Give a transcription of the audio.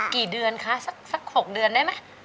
กี่เดือนคะสัก๖เดือนได้ไหม